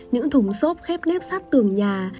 những thùng xốp khép nếp sát tường nhà